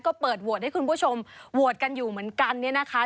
ก็เปิดโหวตให้คุณผู้ชมโหวตกันอยู่เหมือนกันเนี่ยนะคะ